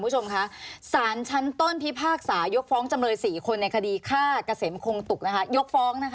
สารชั้นต้นพิพากษายกฟ้องจำเรือ๔คนในคดีฆาตกระเสมคงตุก